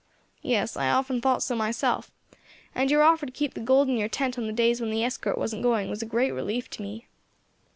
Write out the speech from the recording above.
"Yes, I often thought so myself, and your offer to keep the gold in your tent on the days when the escort wasn't going was a great relief to me."